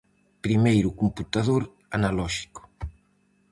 Primeiro computador analóxico.